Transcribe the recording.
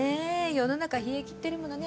世の中冷えきってるものね。